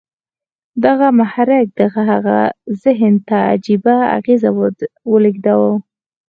دغه محرک د هغه ذهن ته عجيبه اغېز ولېږداوه.